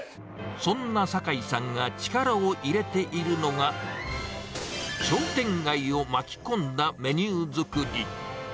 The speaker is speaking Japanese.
そんな酒井さんが力を入れているのが、商店街を巻き込んだメニュー作り。